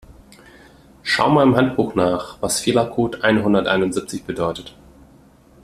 Schau mal im Handbuch nach, was Fehlercode einhunderteinundsiebzig bedeutet.